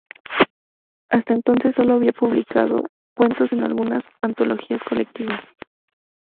Hasta entonces, solo había publicado cuentos en algunas antologías colectivas.